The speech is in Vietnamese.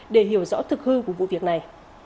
để hiểu rõ thực hư của vụ việc này